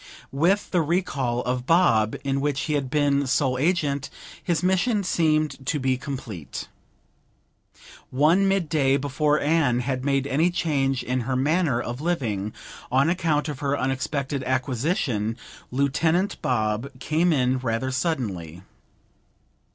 With the recall of Bob, in which he had been sole agent, his mission seemed to be complete. One mid day, before Anne had made any change in her manner of living on account of her unexpected acquisition, Lieutenant Bob came in rather suddenly.